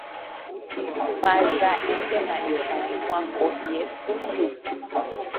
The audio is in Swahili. Usifazaike maishani mwako yesu yupo